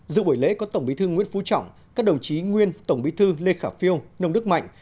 giữa buổi lễ có tổng bí thư nguyễn phú trọng các đồng chí nguyên tổng bí thư lê khả phiêu nông đức mạnh